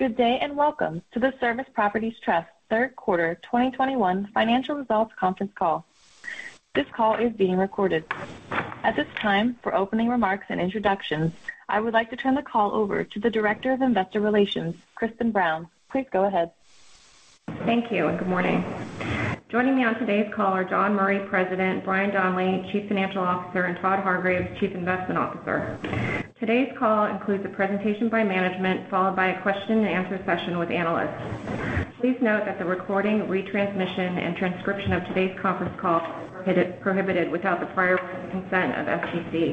Good day, and welcome to the Service Properties Trust Q3 2021 Financial Results Conference Call. This call is being recorded. At this time, for opening remarks and introductions, I would like to turn the call over to the Director of Investor Relations, Kristin Brown. Please go ahead. Thank you, and good morning. Joining me on today's call are John Murray, President, Brian Donley, Chief Financial Officer, and Todd Hargreaves, Chief Investment Officer. Today's call includes a presentation by management, followed by a question-and-answer session with analysts. Please note that the recording, retransmission, and transcription of today's conference call are prohibited without the prior written consent of SVC.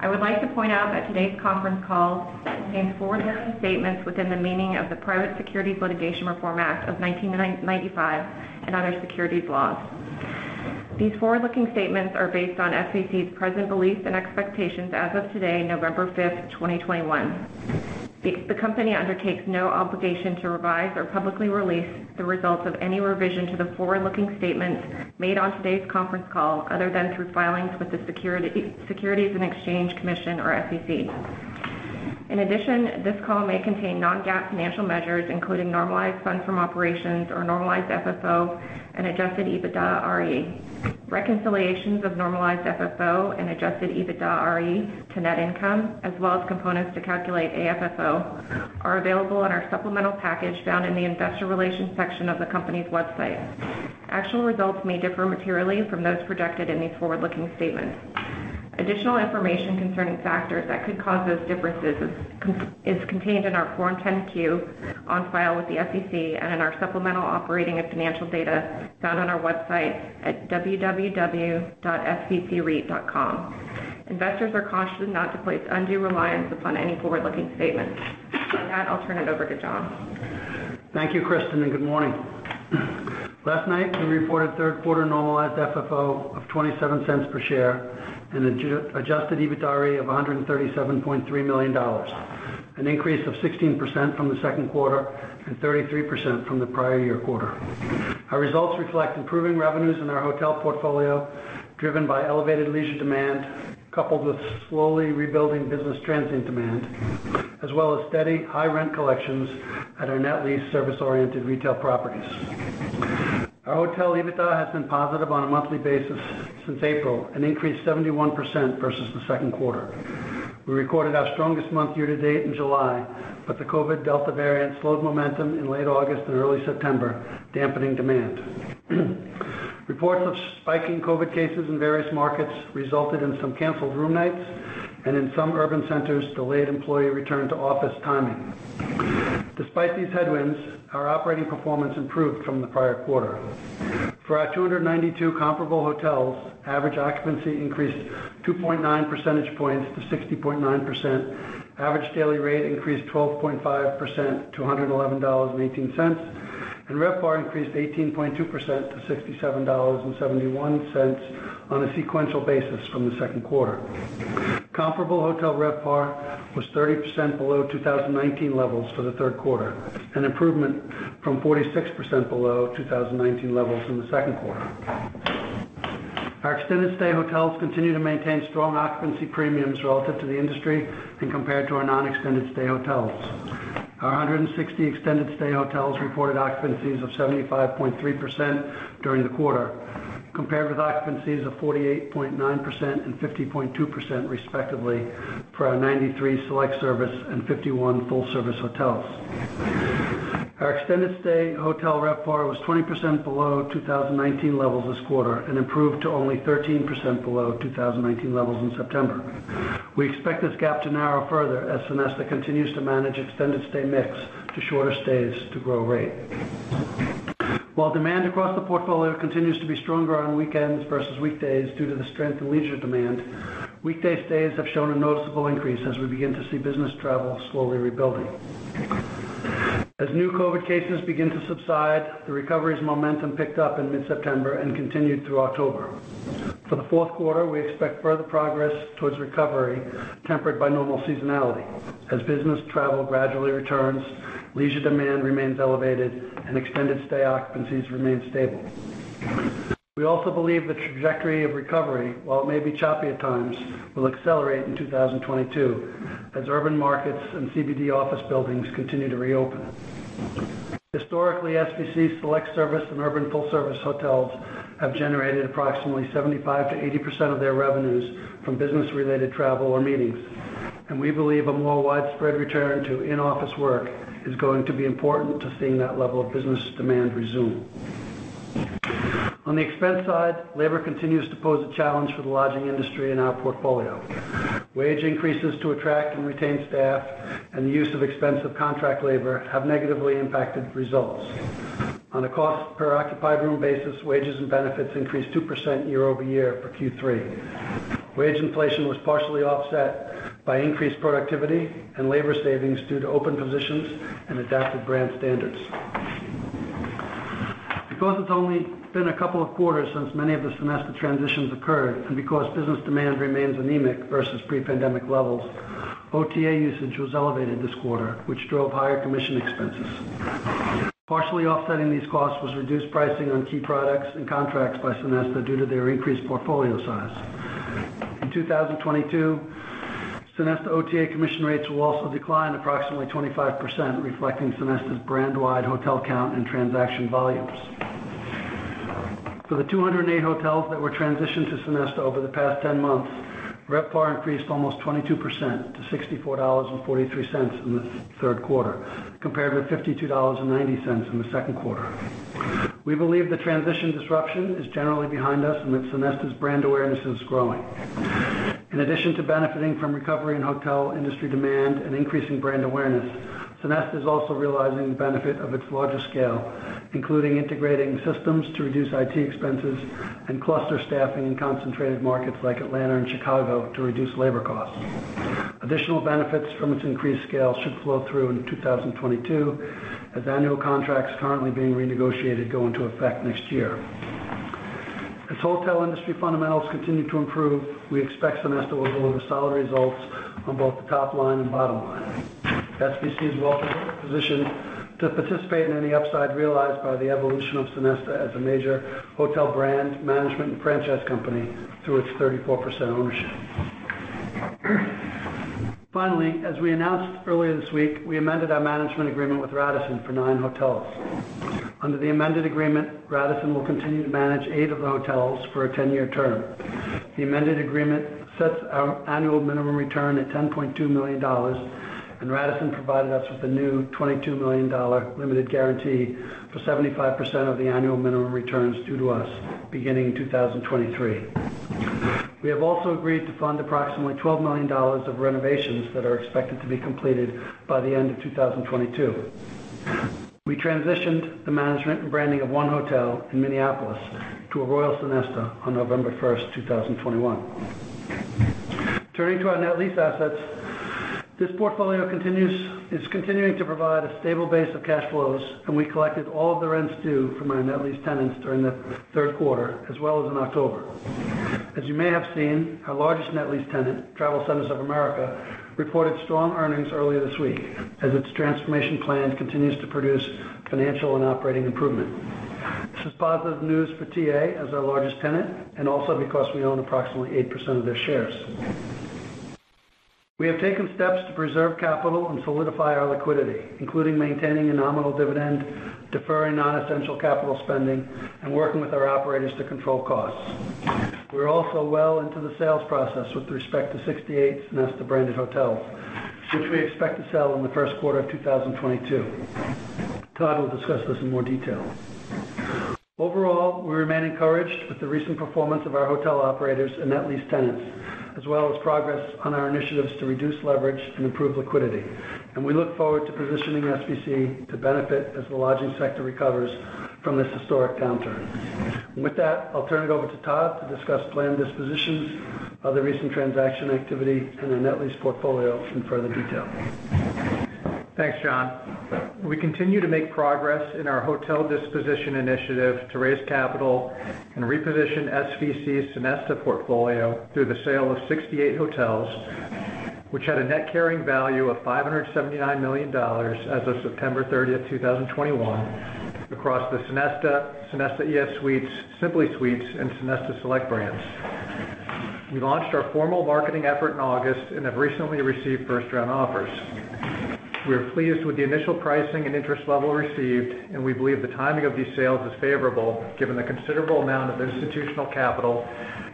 I would like to point out that today's conference call contains forward-looking statements within the meaning of the Private Securities Litigation Reform Act of 1995 and other securities laws. These forward-looking statements are based on SVC's present beliefs and expectations as of today, November 5th, 2021. The company undertakes no obligation to revise or publicly release the results of any revision to the forward-looking statements made on today's conference call, other than through filings with the Securities and Exchange Commission or SEC. In addition, this call may contain non-GAAP financial measures, including normalized funds from operations or normalized FFO and adjusted EBITDAre. Reconciliations of normalized FFO and adjusted EBITDAre to net income, as well as components to calculate AFFO, are available in our supplemental package found in the Investor Relations section of the company's website. Actual results may differ materially from those projected in these forward-looking statements. Additional information concerning factors that could cause those differences is contained in our Form 10-Q on file with the SEC and in our supplemental operating and financial data found on our website at www.svcreit.com. Investors are cautioned not to place undue reliance upon any forward-looking statements. With that, I'll turn it over to John. Thank you, Kristin, and good morning. Last night, we reported Q3 normalized FFO of $0.27 per share and adjusted EBITDAre of $137.3 million, an increase of 16% from the Q2 and 33% from the prior year quarter. Our results reflect improving revenues in our hotel portfolio, driven by elevated leisure demand, coupled with slowly rebuilding business transient demand, as well as steady high rent collections at our net lease service-oriented retail properties. Our hotel EBITDA has been positive on a monthly basis since April, and increased 71% versus the Q2. We recorded our strongest month year to date in July, but the COVID Delta variant slowed momentum in late August and early September, dampening demand. Reports of spiking COVID cases in various markets resulted in some canceled room nights and in some urban centers, delayed employee return to office timing. Despite these headwinds, our operating performance improved from the prior quarter. For our 292 comparable hotels, average occupancy increased 2.9 percentage points to 60.9%. Average daily rate increased 12.5% to $111.18, and RevPAR increased 18.2% to $67.71 on a sequential basis from the Q2. Comparable hotel RevPAR was 30% below 2019 levels for the Q3, an improvement from 46% below 2019 levels in the Q2. Our extended stay hotels continue to maintain strong occupancy premiums relative to the industry and compared to our non-extended stay hotels. Our 160 extended stay hotels reported occupancies of 75.3% during the quarter, compared with occupancies of 48.9% and 50.2% respectively for our 93 select service and 51 full service hotels. Our extended stay hotel RevPAR was 20% below 2019 levels this quarter and improved to only 13% below 2019 levels in September. We expect this gap to narrow further as Sonesta continues to manage extended stay mix to shorter stays to grow rate. While demand across the portfolio continues to be stronger on weekends versus weekdays due to the strength in leisure demand, weekday stays have shown a noticeable increase as we begin to see business travel slowly rebuilding. As new COVID cases begin to subside, the recovery's momentum picked up in mid-September and continued through October. For the Q4, we expect further progress towards recovery tempered by normal seasonality as business travel gradually returns, leisure demand remains elevated, and extended stay occupancies remain stable. We also believe the trajectory of recovery, while it may be choppy at times, will accelerate in 2022 as urban markets and CBD office buildings continue to reopen. Historically, SVC select service and urban full service hotels have generated approximately 75%-80% of their revenues from business-related travel or meetings, and we believe a more widespread return to in-office work is going to be important to seeing that level of business demand resume. On the expense side, labor continues to pose a challenge for the lodging industry and our portfolio. Wage increases to attract and retain staff and the use of expensive contract labor have negatively impacted results. On a cost per occupied room basis, wages and benefits increased 2% year-over-year for Q3. Wage inflation was partially offset by increased productivity and labor savings due to open positions and adapted brand standards. Because it's only been a couple of quarters since many of the Sonesta transitions occurred, and because business demand remains anemic versus pre-pandemic levels, OTA usage was elevated this quarter, which drove higher commission expenses. Partially offsetting these costs was reduced pricing on key products and contracts by Sonesta due to their increased portfolio size. In 2022, Sonesta OTA commission rates will also decline approximately 25%, reflecting Sonesta's brand-wide hotel count and transaction volumes. For the 208 hotels that were transitioned to Sonesta over the past 10 months, RevPAR increased almost 22% to $64.43 in the Q3, compared with $52.90 in the Q2. We believe the transition disruption is generally behind us, and that Sonesta's brand awareness is growing. In addition to benefiting from recovery in hotel industry demand and increasing brand awareness, Sonesta is also realizing the benefit of its larger scale, including integrating systems to reduce IT expenses and cluster staffing in concentrated markets like Atlanta and Chicago to reduce labor costs. Additional benefits from its increased scale should flow through in 2022 as annual contracts currently being renegotiated go into effect next year. As hotel industry fundamentals continue to improve, we expect Sonesta will deliver solid results on both the top line and bottom line. SVC is well positioned to participate in any upside realized by the evolution of Sonesta as a major hotel brand, management, and franchise company through its 34% ownership. Finally, as we announced earlier this week, we amended our management agreement with Radisson for nine hotels. Under the amended agreement, Radisson will continue to manage eight of the hotels for a 10-year term. The amended agreement sets our annual minimum return at $10.2 million, and Radisson provided us with a new $22 million limited guarantee for 75% of the annual minimum returns due to us beginning 2023. We have also agreed to fund approximately $12 million of renovations that are expected to be completed by the end of 2022. We transitioned the management and branding of one hotel in Minneapolis to a Royal Sonesta on November 1st, 2021. Turning to our net lease assets. This portfolio is continuing to provide a stable base of cash flows, and we collected all of the rents due from our net lease tenants during the Q3 as well as in October. As you may have seen, our largest net lease tenant, TravelCenters of America, reported strong earnings earlier this week as its transformation plan continues to produce financial and operating improvement. This is positive news for TA as our largest tenant and also because we own approximately 8% of their shares. We have taken steps to preserve capital and solidify our liquidity, including maintaining a nominal dividend, deferring non-essential capital spending, and working with our operators to control costs. We're also well into the sales process with respect to 68 Sonesta branded hotels, which we expect to sell in the Q1 of 2022. Todd will discuss this in more detail. Overall, we remain encouraged with the recent performance of our hotel operators and net lease tenants, as well as progress on our initiatives to reduce leverage and improve liquidity. We look forward to positioning SVC to benefit as the lodging sector recovers from this historic downturn. With that, I'll turn it over to Todd to discuss planned dispositions, other recent transaction activity in the net lease portfolio in further detail. Thanks, John. We continue to make progress in our hotel disposition initiative to raise capital and reposition SVC's Sonesta portfolio through the sale of 68 hotels, which had a net carrying value of $579 million as of September 30th, 2021 across the Sonesta ES Suites, Sonesta Simply Suites, and Sonesta Select brands. We launched our formal marketing effort in August and have recently received 1st-round offers. We are pleased with the initial pricing and interest level received, and we believe the timing of these sales is favorable given the considerable amount of institutional capital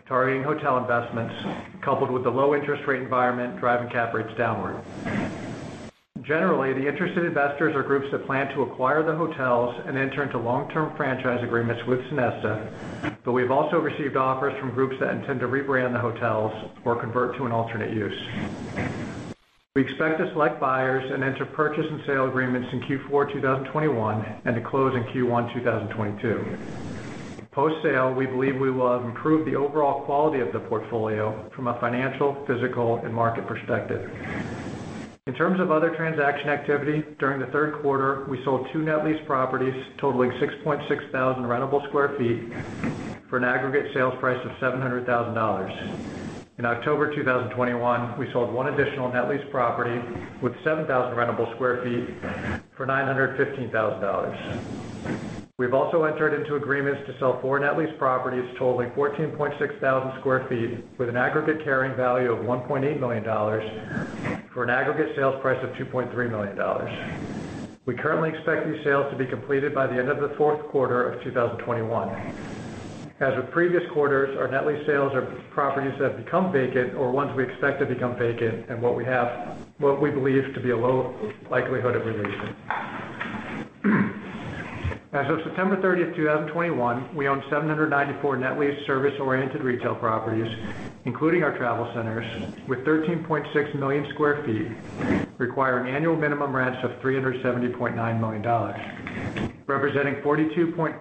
targeting hotel investments, coupled with the low interest rate environment driving cap rates downward. Generally, the interested investors are groups that plan to acquire the hotels and enter into long-term franchise agreements with Sonesta, but we've also received offers from groups that intend to rebrand the hotels or convert to an alternate use. We expect to select buyers and enter purchase and sale agreements in Q4 2021 and to close in Q1 2022. Post-sale, we believe we will have improved the overall quality of the portfolio from a financial, physical, and market perspective. In terms of other transaction activity, during the Q3, we sold two net lease properties totaling 6,600 rentable sq ft for an aggregate sales price of $700,000. In October 2021, we sold one additional net lease property with 7,000 rentable sq ft for $915,000. We have also entered into agreements to sell four net lease properties totaling 14,600 sq ft with an aggregate carrying value of $1.8 million for an aggregate sales price of $2.3 million. We currently expect these sales to be completed by the end of the Q4 of 2021. As with previous quarters, our net lease sales are properties that have become vacant or ones we expect to become vacant, and what we believe to be a low likelihood of releasing. As of September 30th, 2021, we own 794 net lease service-oriented retail properties, including our travel centers, with 13.6 million sq ft, requiring annual minimum rents of $370.9 million. Representing 42.5%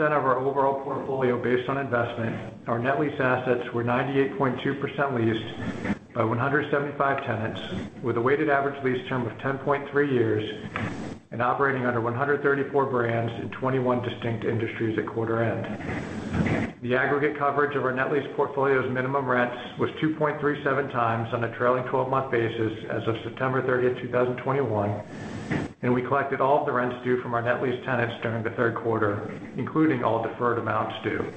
of our overall portfolio based on investment, our net lease assets were 98.2% leased by 175 tenants, with a weighted average lease term of 10.3 years and operating under 134 brands in 21 distinct industries at quarter end. The aggregate coverage of our net lease portfolio's minimum rents was 2.37x on a trailing twelve-month basis as of September 30th, 2021, and we collected all of the rents due from our net lease tenants during the Q3, including all deferred amounts due.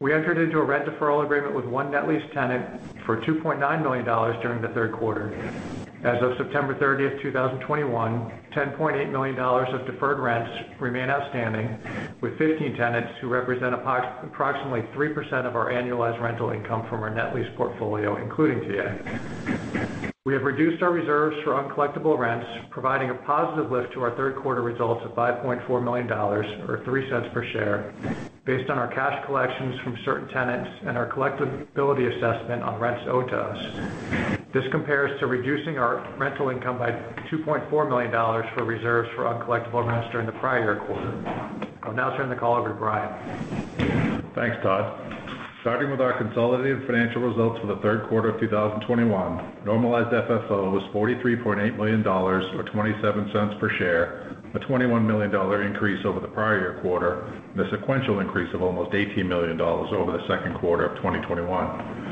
We entered into a rent deferral agreement with one net lease tenant for $2.9 million during the Q3. As of September 30th, 2021, $10.8 million of deferred rents remain outstanding, with 15 tenants who represent approximately 3% of our annualized rental income from our net lease portfolio, including TA. We have reduced our reserves for uncollectible rents, providing a positive lift to our Q3 results of $5.4 million, or $0.03 per share, based on our cash collections from certain tenants and our collectibility assessment on rents owed to us. This compares to reducing our rental income by $2.4 million for reserves for uncollectible rents during the prior quarter. I'll now turn the call over to Brian. Thanks, Todd. Starting with our consolidated financial results for the Q3 of 2021, normalized FFO was $43.8 million, or $0.27 per share, a $21 million increase over the prior year quarter, and a sequential increase of almost $18 million over the Q2 of 2021.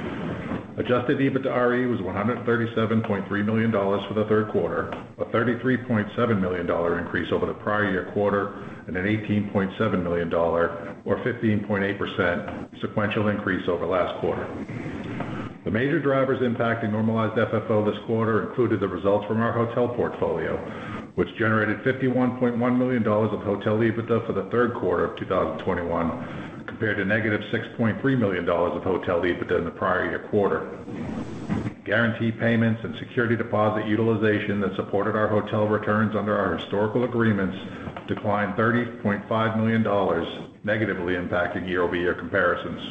Adjusted EBITDAre was $137.3 million for the Q3, a $33.7 million increase over the prior year quarter, and an $18.7 million or 15.8% sequential increase over last quarter. The major drivers impacting normalized FFO this quarter included the results from our hotel portfolio, which generated $51.1 million of hotel EBITDA for the Q3 of 2021, compared to -$6.3 million of hotel EBITDA in the prior year quarter. Guarantee payments and security deposit utilization that supported our hotel returns under our historical agreements declined $30.5 million, negatively impacting year-over-year comparisons.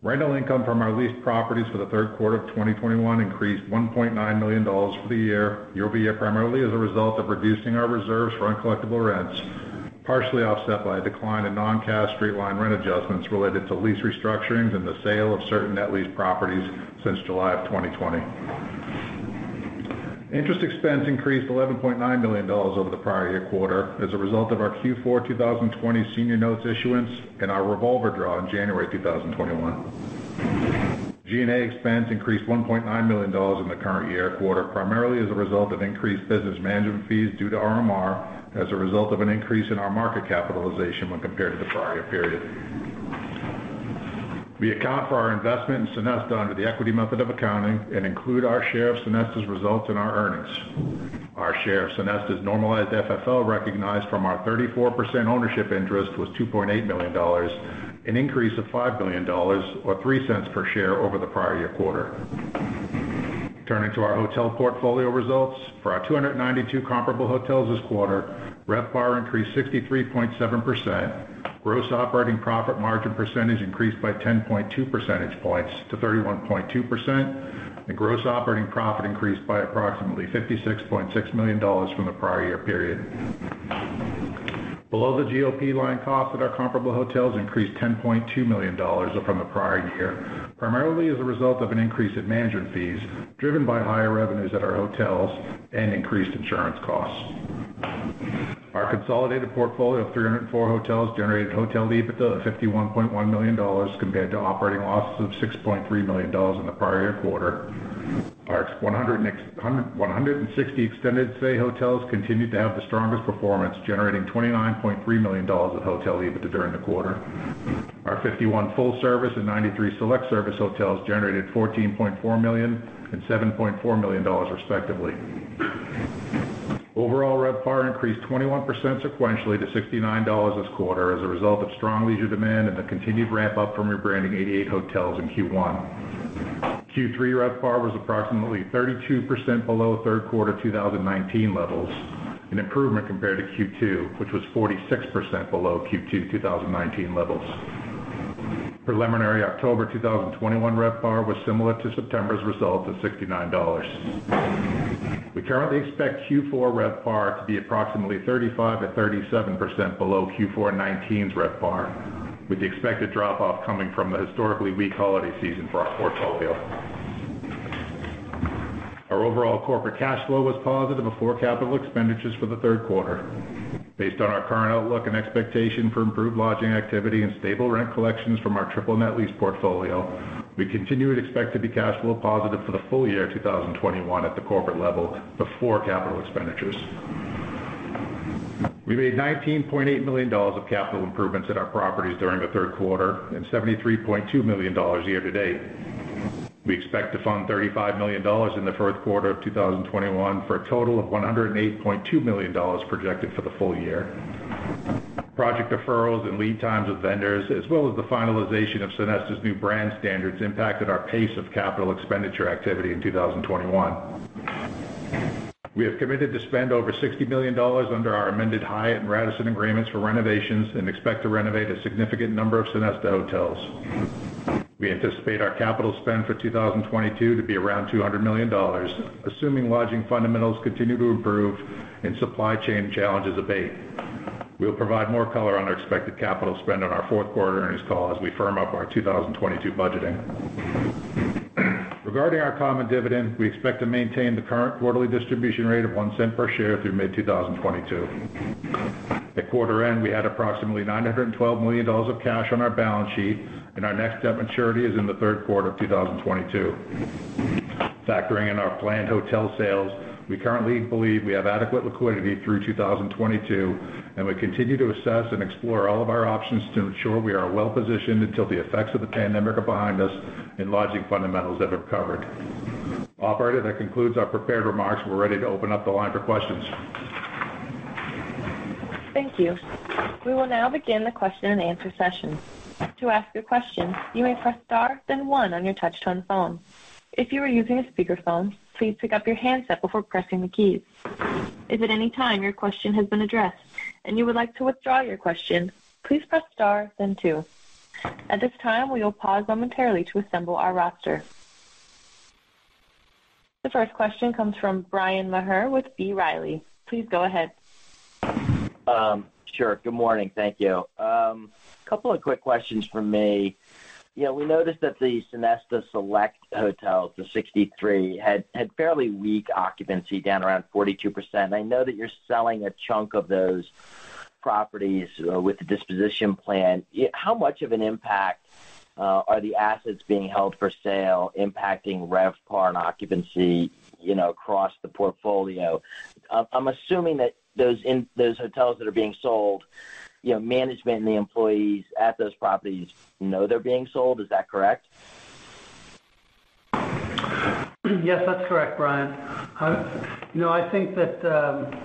Rental income from our leased properties for Q3 2021 increased $1.9 million year-over-year, primarily as a result of reducing our reserves for uncollectible rents, partially offset by a decline in non-cash straight-line rent adjustments related to lease restructurings and the sale of certain net lease properties since July 2020. Interest expense increased $11.9 million over the prior year quarter as a result of our Q4 2020 senior notes issuance and our revolver draw in January 2021. G&A expense increased $1.9 million in the current year quarter, primarily as a result of increased business management fees due to RMR as a result of an increase in our market capitalization when compared to the prior year period. We account for our investment in Sonesta under the equity method of accounting and include our share of Sonesta's results in our earnings. Our share of Sonesta's normalized FFO recognized from our 34% ownership interest was $2.8 million, an increase of $5 million or $0.03 per share over the prior year quarter. Turning to our hotel portfolio results. For our 292 comparable hotels this quarter, RevPAR increased 63.7%. Gross operating profit margin percentage increased by 10.2 percentage points to 31.2%, and gross operating profit increased by approximately $56.6 million from the prior year period. Below the GOP line, costs at our comparable hotels increased $10.2 million from the prior year, primarily as a result of an increase in management fees, driven by higher revenues at our hotels and increased insurance costs. Our consolidated portfolio of 304 hotels generated hotel EBITDA of $51.1 million compared to operating losses of $6.3 million in the prior year quarter. Our 160 extended stay hotels continued to have the strongest performance, generating $29.3 million of hotel EBITDA during the quarter. Our 51 full service and 93 select service hotels generated $14.4 million and $7.4 million, respectively. Overall, RevPAR increased 21% sequentially to $69 this quarter as a result of strong leisure demand and the continued ramp up from rebranding 88 hotels in Q1. Q3 RevPAR was approximately 32% below Q3 2019 levels, an improvement compared to Q2, which was 46% below Q2 2019 levels. Preliminary October 2021 RevPAR was similar to September's result of $69. We currently expect Q4 RevPAR to be approximately 35%-37% below Q4 2019's RevPAR, with the expected drop off coming from the historically weak holiday season for our portfolio. Our overall corporate cash flow was positive before capital expenditures for the Q3. Based on our current outlook and expectation for improved lodging activity and stable rent collections from our triple net lease portfolio, we continue to expect to be cash flow positive for the full year 2021 at the corporate level before capital expenditures. We made $19.8 million of capital improvements at our properties during the Q3 and $73.2 million year to date. We expect to fund $35 million in the Q4 of 2021 for a total of $108.2 million projected for the full year. Project deferrals and lead times with vendors, as well as the finalization of Sonesta's new brand standards impacted our pace of capital expenditure activity in 2021. We have committed to spend over $60 million under our amended Hyatt and Radisson agreements for renovations and expect to renovate a significant number of Sonesta hotels. We anticipate our capital spend for 2022 to be around $200 million, assuming lodging fundamentals continue to improve and supply chain challenges abate. We'll provide more color on our expected capital spend on our Q4 earnings call as we firm up our 2022 budgeting. Regarding our common dividend, we expect to maintain the current quarterly distribution rate of $0.01 per share through mid-2022. At quarter end, we had approximately $912 million of cash on our balance sheet, and our next debt maturity is in the Q3 of 2022. Factoring in our planned hotel sales, we currently believe we have adequate liquidity through 2022, and we continue to assess and explore all of our options to ensure we are well-positioned until the effects of the pandemic are behind us and lodging fundamentals have recovered. Operator, that concludes our prepared remarks. We're ready to open up the line for questions. Thank you. We will now begin the question-and-answer session. The 1st question comes from Bryan Maher with B. Riley. Please go ahead. Sure. Good morning. Thank you. Couple of quick questions from me. You know, we noticed that the Sonesta Select hotels, the 63, had fairly weak occupancy down around 42%. I know that you're selling a chunk of those properties with the disposition plan. How much of an impact are the assets being held for sale impacting RevPAR and occupancy, you know, across the portfolio? I'm assuming that those hotels that are being sold, you know, management and the employees at those properties know they're being sold. Is that correct? Yes, that's correct, Brian. You know, I think that the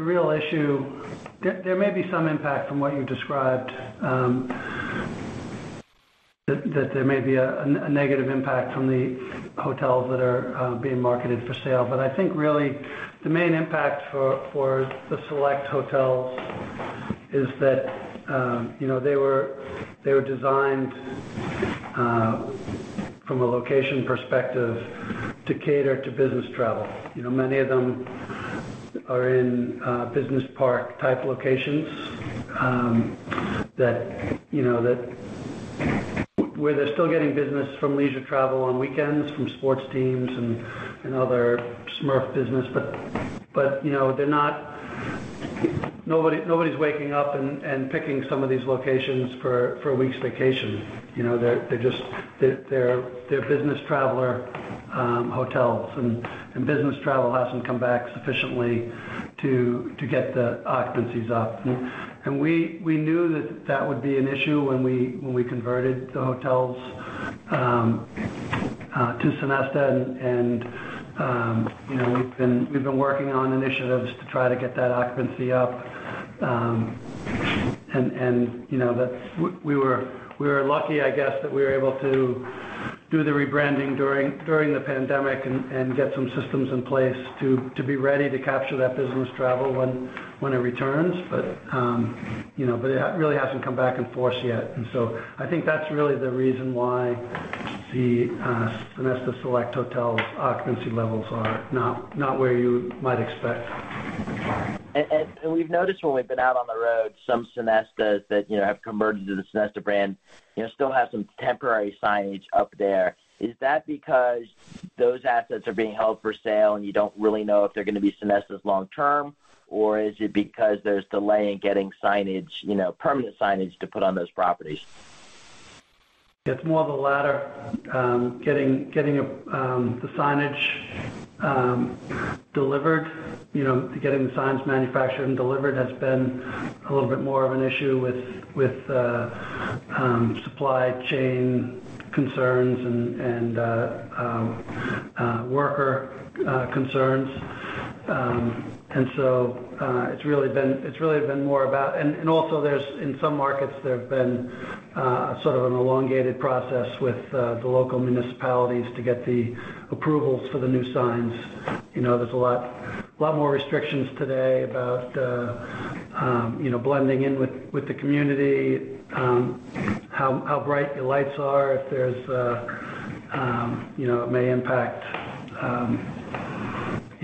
real issue there may be some impact from what you described, that there may be a negative impact from the hotels that are being marketed for sale. But I think really the main impact for the Select hotels is that, you know, they were designed from a location perspective to cater to business travel. You know, many of them are in business park type locations, that where they're still getting business from leisure travel on weekends, from sports teams and other SMERF business. But you know, they're not. Nobody's waking up and picking some of these locations for a week's vacation. You know, they're just. They're business traveler hotels and business travel hasn't come back sufficiently to get the occupancies up. We knew that would be an issue when we converted the hotels to Sonesta and you know, we've been working on initiatives to try to get that occupancy up and you know, we were lucky, I guess, that we were able to do the rebranding during the pandemic and get some systems in place to be ready to capture that business travel when it returns. You know, but it really hasn't come back in force yet. I think that's really the reason why the Sonesta Select hotels occupancy levels are not where you might expect. We've noticed when we've been out on the road, some Sonesta that, you know, have converted to the Sonesta brand, you know, still have some temporary signage up there. Is that because those assets are being held for sale, and you don't really know if they're gonna be Sonesta long term, or is it because there's delay in getting signage, you know, permanent signage to put on those properties? It's more of the latter. Getting the signage delivered, you know, getting the signs manufactured and delivered has been a little bit more of an issue with supply chain concerns and worker concerns. It's really been more about, and also in some markets, there have been sort of an elongated process with the local municipalities to get the approvals for the new signs. You know, there's a lot more restrictions today about you know, blending in with the community, how bright your lights are, if there's. You know, it may impact, you know,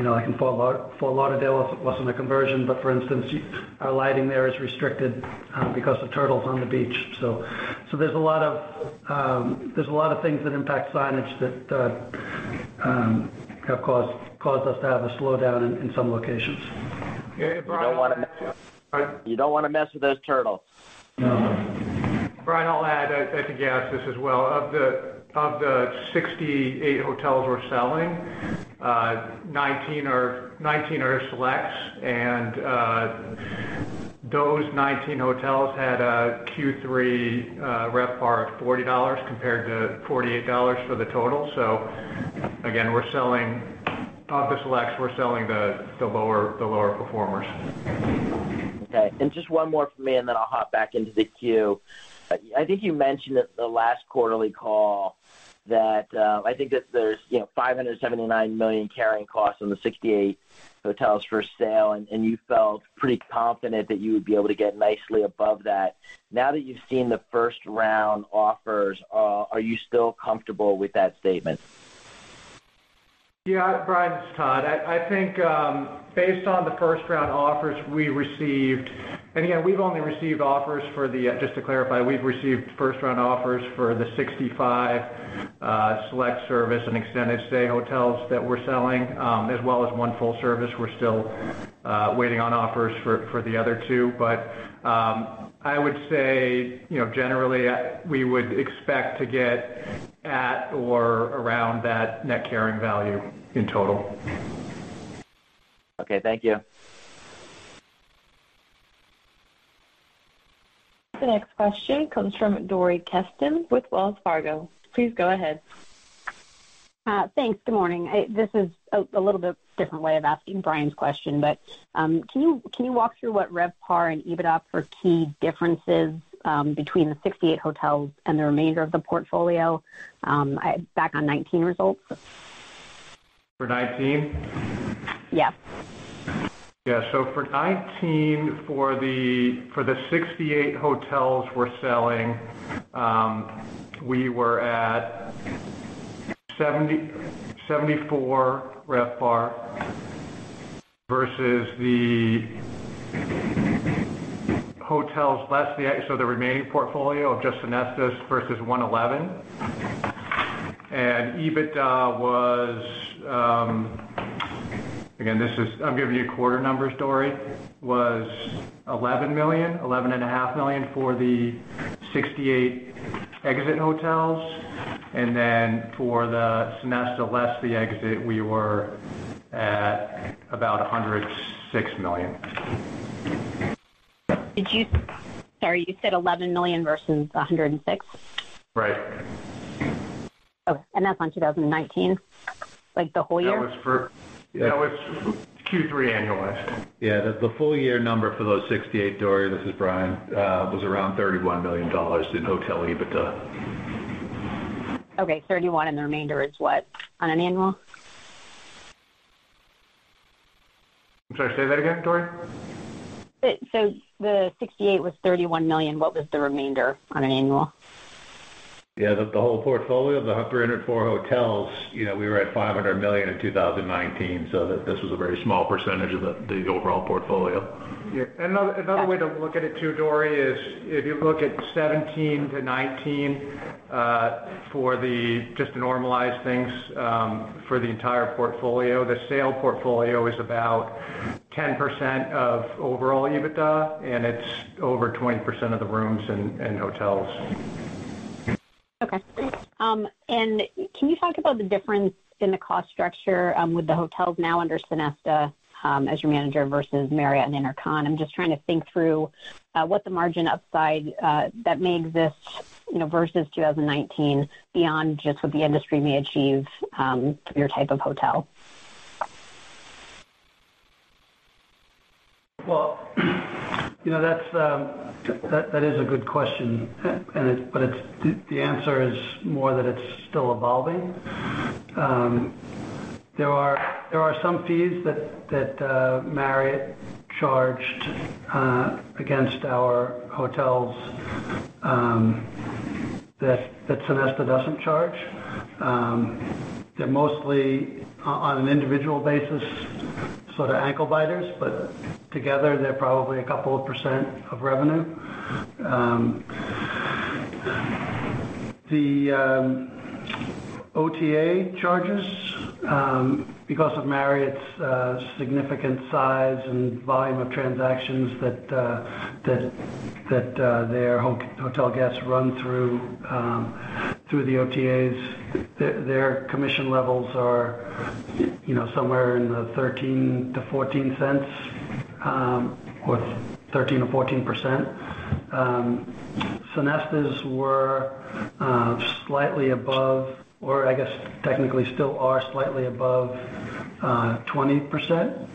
like in Fort Lauderdale, it wasn't a conversion, but for instance, our lighting there is restricted because of turtles on the beach. There's a lot of things that impact signage that have caused us to have a slowdown in some locations. Yeah, Brian. You don't wanna mess with- Pardon? You don't wanna mess with those turtles. No. Brian, I'll add. I think you asked this as well. Of the 68 hotels we're selling, 19 are selects and those 19 hotels had a Q3 RevPAR of $40 compared to $48 for the total. Again, of the selects, we're selling the lower performers. Okay. Just one more from me, and then I'll hop back into the queue. I think you mentioned at the last quarterly call that I think that there's, you know, $579 million carrying costs on the 68 hotels for sale, and you felt pretty confident that you would be able to get nicely above that. Now that you've seen the 1st round offers, are you still comfortable with that statement? Yeah, Brian, it's Todd. I think based on the first round offers we received, and again, Just to clarify, we've received first round offers for the 65 select service and extended stay hotels that we're selling, as well as one full service. We're still waiting on offers for the other two. I would say, you know, generally, we would expect to get at or around that net carrying value in total. Okay, thank you. The next question comes from Dori Kesten with Wells Fargo. Please go ahead. Thanks. Good morning. This is a little bit different way of asking Brian's question, but can you walk through the key differences in RevPAR and EBITDA between the 68 hotels and the remainder of the portfolio for 2019 results? For 19? Yeah. For 2019, for the 68 hotels we're selling, we were at $74 RevPAR versus $111 for the remaining portfolio of just Sonesta's. EBITDA was $11 million-$11.5 million for the 68 exit hotels. Again, this is quarter numbers, Dori. For the Sonesta less the exit, we were at about $106 million. Sorry, you said $11 million versus $106? Right. Okay. That's on 2019? Like, the whole year? That was for- Yeah. That was Q3 annualized. Yeah. The full year number for those 68, Dori, this is Brian, was around $31 million in hotel EBITDA. Okay. 31, and the remainder is what on an annual? I'm sorry, say that again, Dori. The 68 was $31 million. What was the remainder on an annual? Yeah. The whole portfolio, the 304 hotels, you know, we were at $500 million in 2019, so this was a very small percentage of the overall portfolio. Yeah. Another way to look at it too, Dori, is if you look at 17-19. Just to normalize things, for the entire portfolio, the sale portfolio is about 10% of overall EBITDA, and it's over 20% of the rooms and hotels. Okay. Can you talk about the difference in the cost structure, with the hotels now under Sonesta, as your manager versus Marriott and InterContinental? I'm just trying to think through, what the margin upside, that may exist, you know, versus 2019 beyond just what the industry may achieve, for your type of hotel. Well, you know, that's a good question. The answer is more that it's still evolving. There are some fees that Marriott charged against our hotels that Sonesta doesn't charge. They're mostly on an individual basis, so they're ankle biters, but together, they're probably a couple of % of revenue. The OTA charges, because of Marriott's significant size and volume of transactions that their hotel guests run through the OTAs, their commission levels are, you know, somewhere in the $0.13-$0.14 or 13%-14%. Sonesta's were slightly above or I guess technically still are slightly above 20%.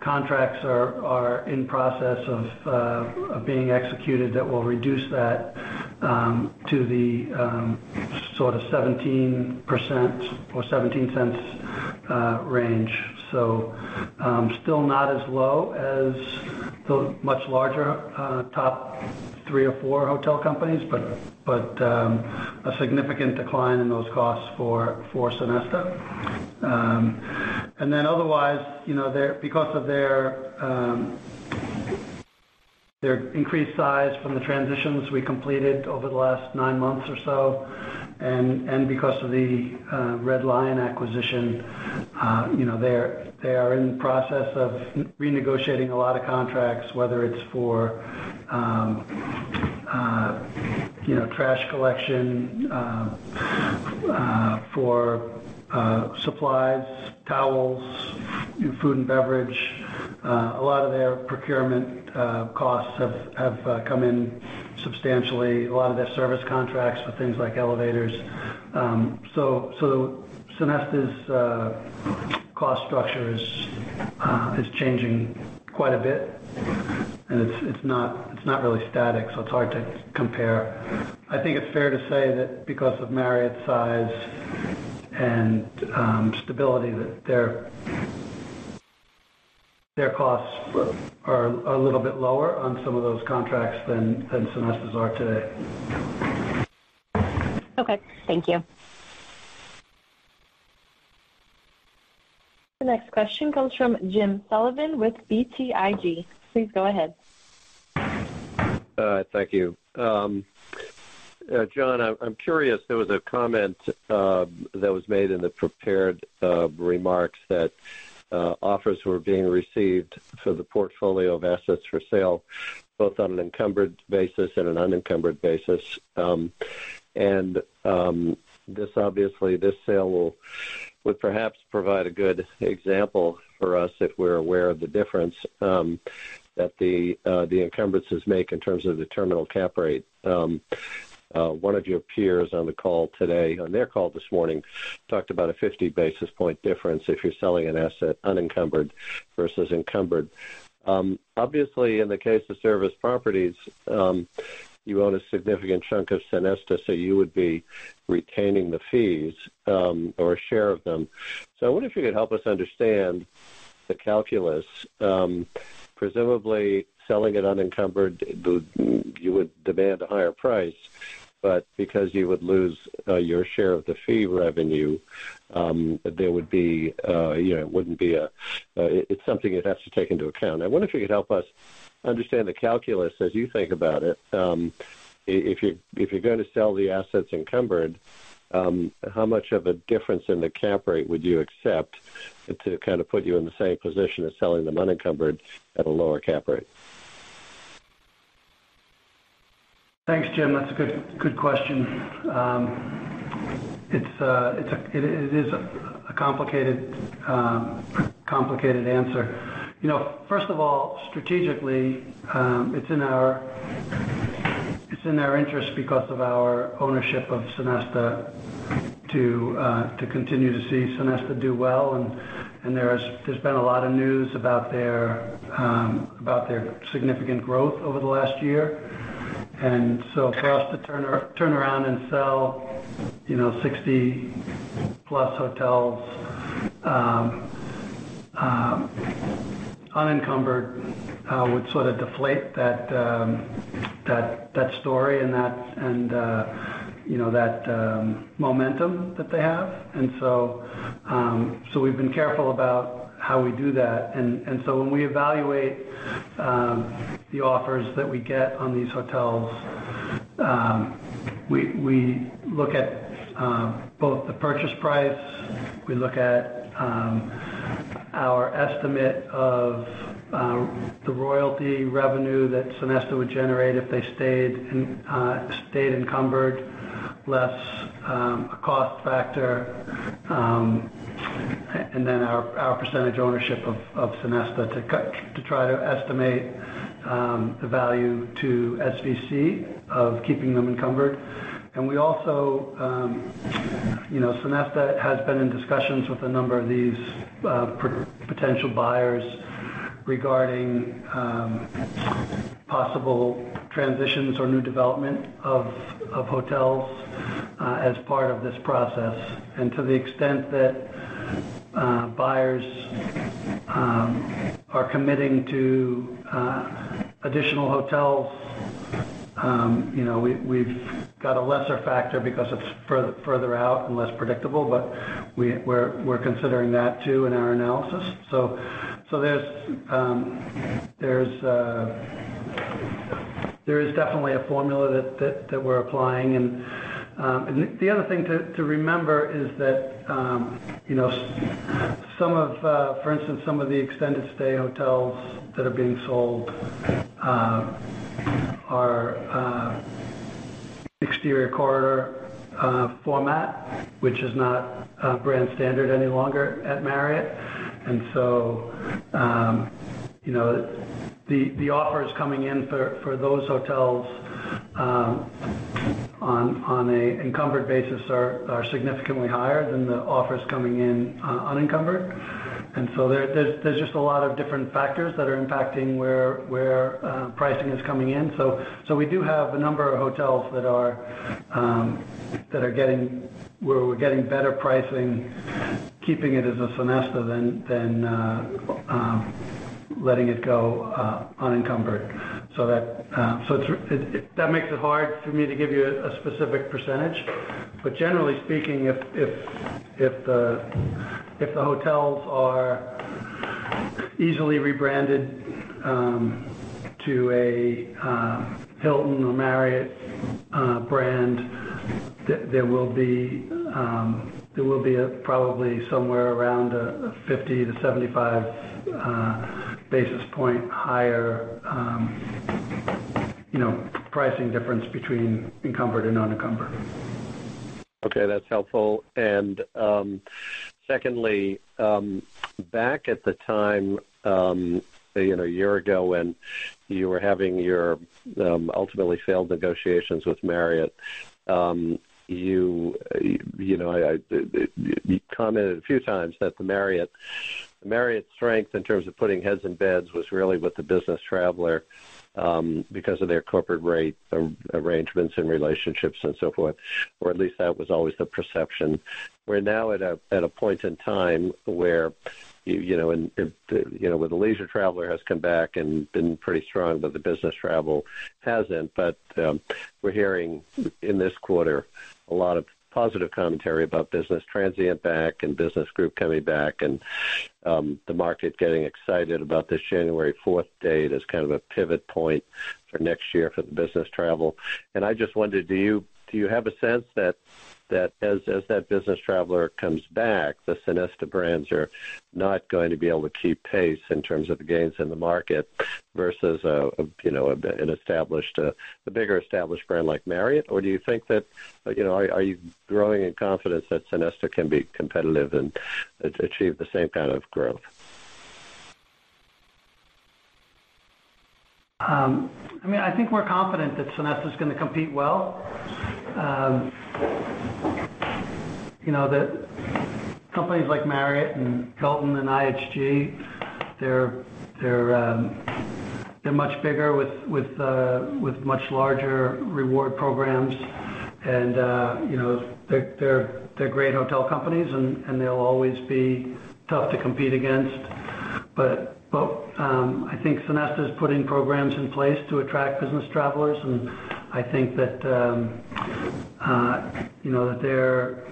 Contracts are in process of being executed that will reduce that to the sort of 17% or $0.17 range. Still not as low as the much larger top three or four hotel companies, but a significant decline in those costs for Sonesta. Otherwise, you know, because of their increased size from the transitions we completed over the last nine months or so and because of the Red Lion acquisition, you know, they are in process of renegotiating a lot of contracts, whether it's for, you know, trash collection, for supplies, towels, food and beverage. A lot of their procurement costs have come in substantially, a lot of their service contracts for things like elevators. Sonesta's cost structure is changing quite a bit. It's not really static, so it's hard to compare. I think it's fair to say that because of Marriott's size and stability that their costs are a little bit lower on some of those contracts than Sonesta's are today. Okay, thank you. The next question comes from Jim Sullivan with BTIG. Please go ahead. Thank you. John, I'm curious, there was a comment that was made in the prepared remarks that offers were being received for the portfolio of assets for sale, both on an encumbered basis and an unencumbered basis. This obviously, this sale would perhaps provide a good example for us if we're aware of the difference that the encumbrances make in terms of the terminal cap rate. One of your peers on the call today, on their call this morning, talked about a 50 basis point difference if you're selling an asset unencumbered versus encumbered. Obviously, in the case of Service Properties, you own a significant chunk of Sonesta, so you would be retaining the fees or a share of them. I wonder if you could help us understand the calculus, presumably selling it unencumbered, you would demand a higher price, but because you would lose your share of the fee revenue, there would be, it wouldn't be a, it's something you'd have to take into account. I wonder if you could help us understand the calculus as you think about it. If you're going to sell the assets encumbered, how much of a difference in the cap rate would you accept to kind of put you in the same position as selling them unencumbered at a lower cap rate? Thanks, Jim. That's a good question. It's a complicated answer. You know, 1st of all, strategically, it's in our interest because of our ownership of Sonesta to continue to see Sonesta do well. There's been a lot of news about their significant growth over the last year. For us to turn around and sell, you know, 60-plus hotels unencumbered would sort of deflate that story and that momentum that they have. We've been careful about how we do that. When we evaluate the offers that we get on these hotels, we look at both the purchase price and our estimate of the royalty revenue that Sonesta would generate if they stayed encumbered, less a cost factor, and then our percentage ownership of Sonesta to try to estimate the value to SVC of keeping them encumbered. We also, you know, Sonesta has been in discussions with a number of these potential buyers regarding possible transitions or new development of hotels as part of this process. To the extent that buyers are committing to additional hotels, you know, we've got a lesser factor because it's further out and less predictable, but we're considering that too in our analysis. There is definitely a formula that we're applying. The other thing to remember is that you know, for instance, some of the extended stay hotels that are being sold are exterior corridor format, which is not brand standard any longer at Marriott. You know, the offers coming in for those hotels on an encumbered basis are significantly higher than the offers coming in unencumbered. There's just a lot of different factors that are impacting where pricing is coming in. We do have a number of hotels where we're getting better pricing, keeping it as a Sonesta than letting it go unencumbered. That makes it hard for me to give you a specific percentage. Generally speaking, if the hotels are easily rebranded to a Hilton or Marriott brand, there will be probably somewhere around a 50-75 basis point higher, you know, pricing difference between encumbered and unencumbered. Okay, that's helpful. Secondly, back at the time, you know, a year ago when you were having your ultimately failed negotiations with Marriott, you know, you commented a few times that Marriott's strength in terms of putting heads in beds was really with the business traveler, because of their corporate rate arrangements and relationships and so forth, or at least that was always the perception. We're now at a point in time where you know, and you know, where the leisure traveler has come back and been pretty strong, but the business travel hasn't. We're hearing in this quarter a lot of positive commentary about business transient back and business group coming back and, the market getting excited about this January fourth date as kind of a pivot point for next year for the business travel. I just wondered, do you have a sense that as that business traveler comes back, the Sonesta brands are not going to be able to keep pace in terms of the gains in the market versus a, you know, an established, the bigger established brand like Marriott? Or do you think that, you know, are you growing in confidence that Sonesta can be competitive and achieve the same kind of growth? I mean, I think we're confident that Sonesta is gonna compete well. You know, the companies like Marriott and Hilton and IHG, they're much bigger with much larger reward programs and, you know, they're great hotel companies and they'll always be tough to compete against. I think Sonesta is putting programs in place to attract business travelers, and I think that, you know, that their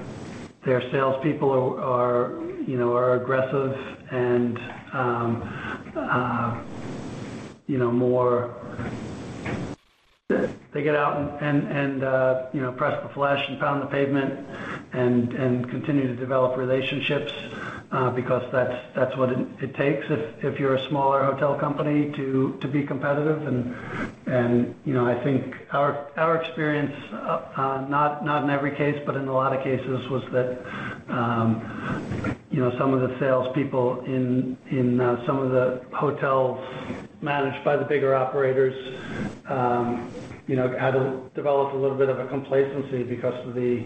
salespeople are, you know, aggressive and they get out and, you know, press the flesh and pound the pavement and continue to develop relationships, because that's what it takes if you're a smaller hotel company to be competitive. You know, I think our experience, not in every case, but in a lot of cases, was that, you know, some of the salespeople in some of the hotels managed by the bigger operators, you know, had developed a little bit of a complacency because of the,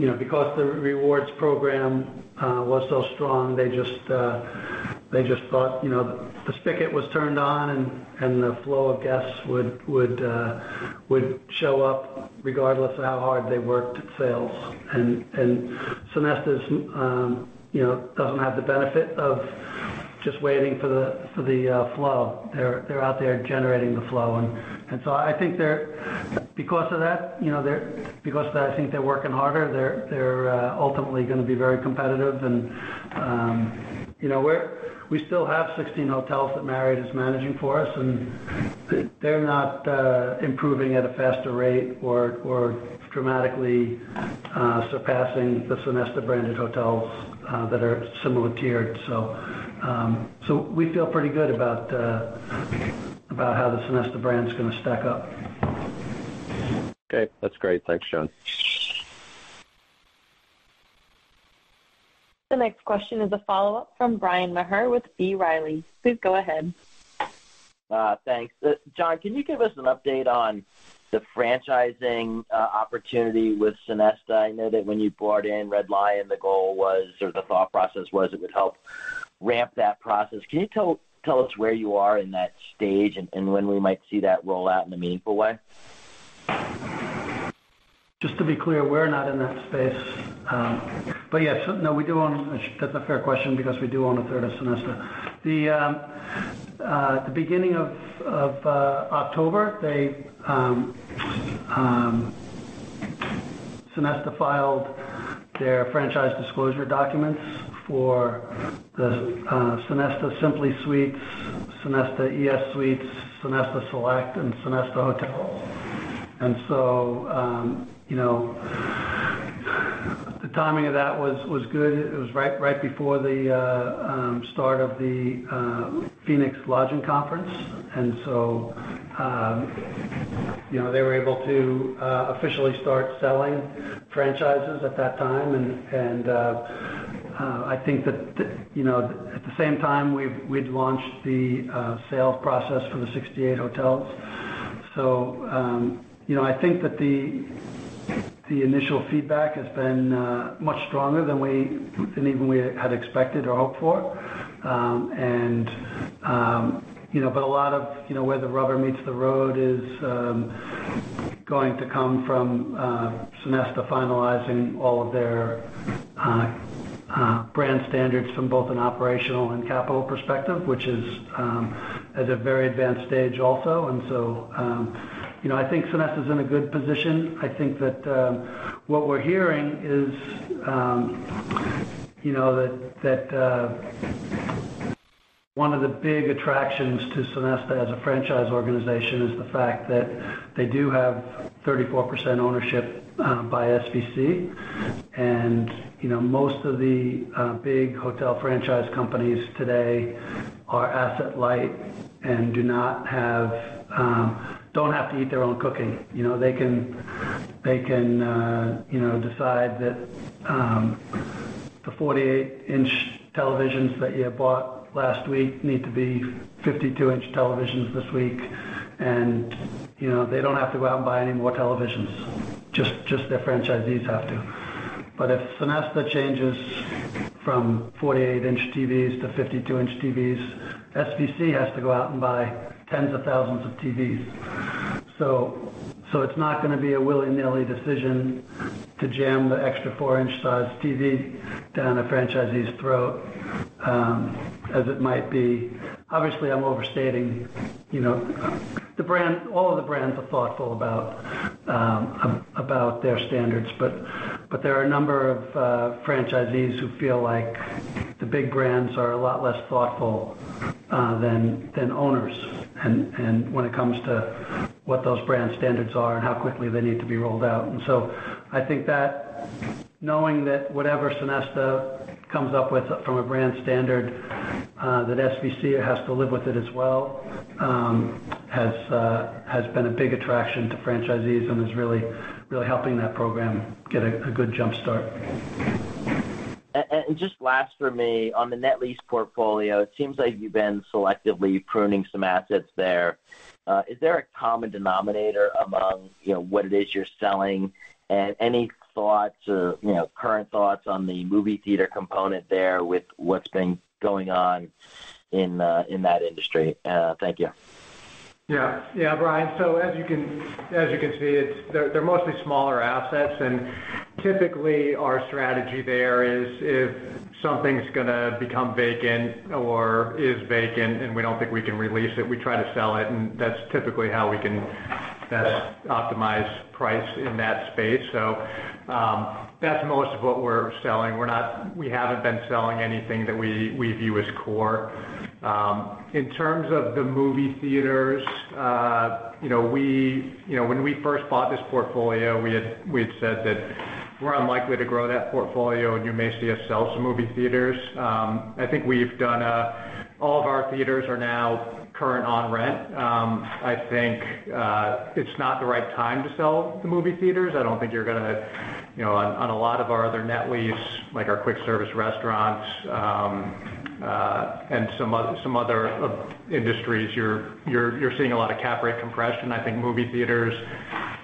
you know, because the rewards program was so strong. They just thought, you know, the spigot was turned on and the flow of guests would show up regardless of how hard they worked at sales. Sonesta's, you know, doesn't have the benefit of just waiting for the flow. They're out there generating the flow. I think they're working harder because of that, you know. They're ultimately gonna be very competitive. You know, we still have 16 hotels that Marriott is managing for us, and they're not improving at a faster rate or dramatically surpassing the Sonesta-branded hotels that are similar tiered. We feel pretty good about how the Sonesta brand is gonna stack up. Okay, that's great. Thanks, John. The next question is a follow-up from Bryan Maher with B. Riley. Please go ahead. Thanks. John, can you give us an update on the franchising opportunity with Sonesta? I know that when you brought in Red Lion, the goal was, or the thought process was it would help ramp that process. Can you tell us where you are in that stage and when we might see that roll out in a meaningful way? Just to be clear, we're not in that space. Yeah, no, we do own. That's a fair question because we do own a third of Sonesta. The beginning of October, Sonesta filed their franchise disclosure documents for the Sonesta Simply Suites, Sonesta ES Suites, Sonesta Select, and Sonesta Hotels & Resorts. You know, the timing of that was good. It was right before the start of the Lodging Conference. You know, they were able to officially start selling franchises at that time. I think that, you know, at the same time, we'd launched the sales process for the 68 hotels. I think that the initial feedback has been much stronger than even we had expected or hoped for. But a lot of, you know, where the rubber meets the road is going to come from Sonesta finalizing all of their brand standards from both an operational and capital perspective, which is at a very advanced stage also. I think Sonesta's in a good position. I think that what we're hearing is, you know, that one of the big attractions to Sonesta as a franchise organization is the fact that they do have 34% ownership by SVC. You know, most of the big hotel franchise companies today are asset light and do not have to eat their own cooking. You know, they can decide that the 48-inch televisions that you bought last week need to be 52-inch televisions this week. You know, they don't have to go out and buy any more televisions. Just their franchisees have to. But if Sonesta changes from 48-inch TVs to 52-inch TVs, SVC has to go out and buy tens of thousands of TVs. So it's not gonna be a willy-nilly decision to jam the extra four-inch size TV down a franchisee's throat, as it might be. Obviously, I'm overstating the brand. All of the brands are thoughtful about their standards, but there are a number of franchisees who feel like the big brands are a lot less thoughtful than owners and when it comes to what those brand standards are and how quickly they need to be rolled out. I think that knowing that whatever Sonesta comes up with from a brand standard that SVC has to live with it as well has been a big attraction to franchisees and is really helping that program get a good jump-start. Just last for me. On the net lease portfolio, it seems like you've been selectively pruning some assets there. Is there a common denominator among, you know, what it is you're selling? Any thoughts or, you know, current thoughts on the movie theater component there with what's been going on in that industry? Thank you. Yeah. Yeah, Brian. As you can see, it's. They're mostly smaller assets. Typically, our strategy there is if something's gonna become vacant or is vacant and we don't think we can re-lease it, we try to sell it, and that's typically how we can best optimize price in that space. That's most of what we're selling. We haven't been selling anything that we view as core. You know, we. You know, when we first bought this portfolio, we had said that we're unlikely to grow that portfolio, and you may see us sell some movie theaters. I think we've done. All of our theaters are now current on rent. I think it's not the right time to sell the movie theaters. I don't think you're gonna. You know, on a lot of our other net lease, like our quick service restaurants, and some other industries, you're seeing a lot of cap rate compression. I think movie theaters,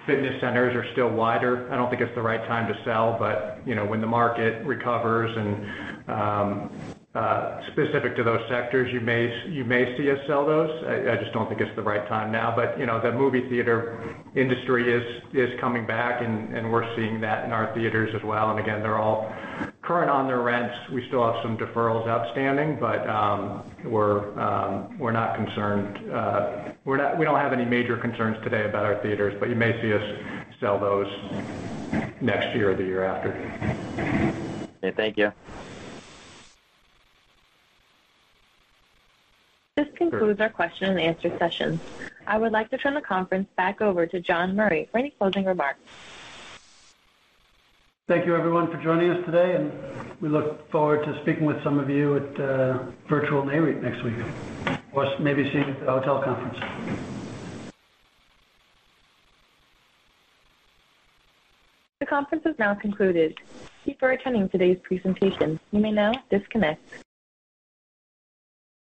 fitness centers are still wider. I don't think it's the right time to sell, but you know, when the market recovers and specific to those sectors, you may see us sell those. I just don't think it's the right time now. You know, the movie theater industry is coming back, and we're seeing that in our theaters as well. Again, they're all current on their rents. We still have some deferrals outstanding, but we're not concerned. We're not—we don't have any major concerns today about our theaters, but you may see us sell those next year or the year after. Okay, thank you. This concludes our question and answer session. I would like to turn the conference back over to John Murray for any closing remarks. Thank you, everyone, for joining us today, and we look forward to speaking with some of you at virtual Nareit next week or maybe seeing you at the hotel conference. The conference is now concluded. Thank you for attending today's presentation. You may now disconnect.